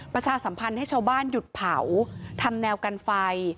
ประชาสัมพันธ์ให้ชาวบ้านหยุดเผาทำแนวกันไฟ